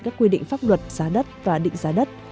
các quy định pháp luật giá đất và định giá đất